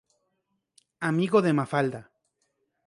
Amigo de Mafalda.